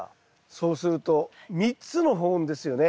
そうすると３つの保温ですよね。